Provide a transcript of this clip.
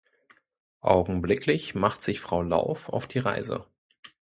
Augenblicklich macht sich Frau Lauff auf die Reise.